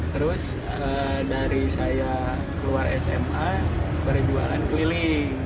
terus dari saya keluar sma berjualan keliling